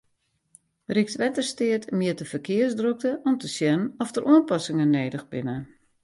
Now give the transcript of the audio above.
Rykswettersteat mjit de ferkearsdrokte om te sjen oft der oanpassingen nedich binne.